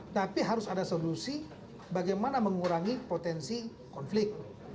tapi harus ada solusi bagaimana mengurangi potensi konflik